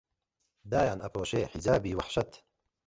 دایان ئەپۆشێ حیجابی وەحشەت